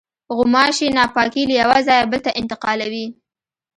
غوماشې ناپاکي له یوه ځایه بل ته انتقالوي.